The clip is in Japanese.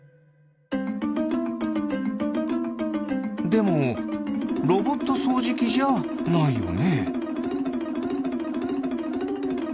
でもロボットそうじきじゃないよね。